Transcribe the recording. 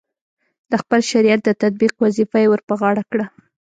د خپل شریعت د تطبیق وظیفه یې ورپه غاړه کړې.